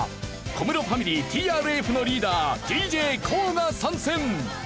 小室ファミリーＴＲＦのリーダーＤＪＫＯＯが参戦！